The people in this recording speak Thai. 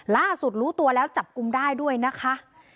ล่าสุดรู้ตัวแล้วจับกลุ่มได้ด้วยนะคะ